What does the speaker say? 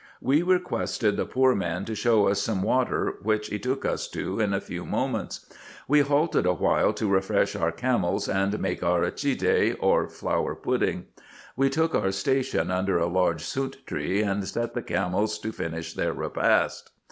We requested the poor man to show us some water, which he took us to in a few moments. We halted a while to refresh our camels, and make our accide, or flour pudding. We took our station under a large sunt tree, and set the camels to finish their repast.